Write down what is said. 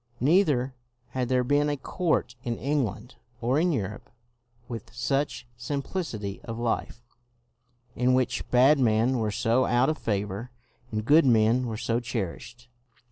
Never had there been a court in England or in Europe with such simplicity of life, in which bad men were so out of favor and good men were so cherished.